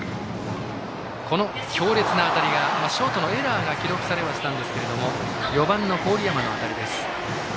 この強烈な当たりショートのエラーが記録されましたが４番の郡山の当たりです。